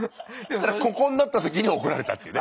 したらここになった時に怒られたっていうね。